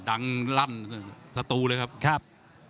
จังจั้นนั่นนสตัวเลยครับ